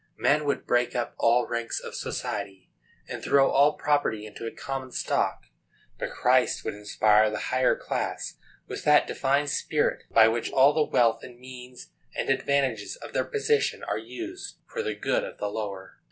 Men would break up all ranks of society, and throw all property into a common stock; but Christ would inspire the higher class with that Divine Spirit by which all the wealth and means and advantages of their position are used for the good of the lower.